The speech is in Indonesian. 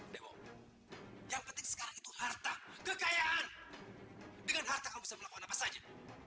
dan sampai kapan pun bapak tidak akan setuju